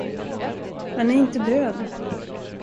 Han är inte död.